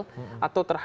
atau terhadap pemerintah